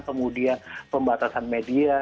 kemudian pembatasan media